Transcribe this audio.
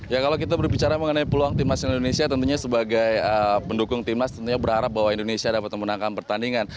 ya kalau kita berbicara mengenai peluang tim nasional indonesia tentunya sebagai pendukung timnas tentunya berharap bahwa indonesia dapat memenangkan pertandingan